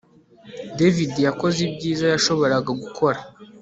David yakoze ibyiza yashoboraga gukora